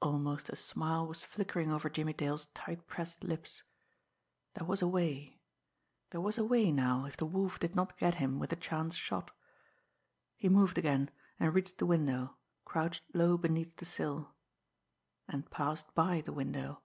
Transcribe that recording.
Almost a smile was flickering over Jimmie Dale's tight pressed lips. There was a way there was a way now, if the Wolf did not get him with a chance shot. He moved again, and reached the window, crouched low beneath the sill and passed by the window.